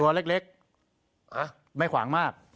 ตัวเล็กไม่ขวางมาก